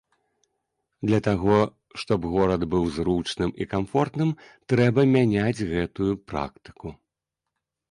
Для таго, што б горад быў зручным і камфортным, трэба мяняць гэтую практыку.